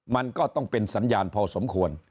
มันก็ต้องเป็นสัญญาณพอสมควร